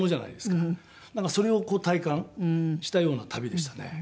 なんかそれを体感したような旅でしたね。